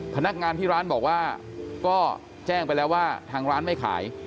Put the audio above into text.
พนักงานที่ร้านบอกว่าก็แจ้งไปแล้วว่าทางร้านไม่ขาย